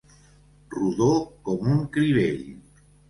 Rodó com un crivell.